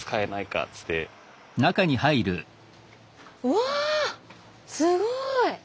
うわすごい！